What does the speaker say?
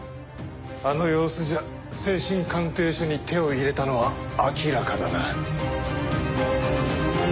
あの様子じゃ精神鑑定書に手を入れたのは明らかだな。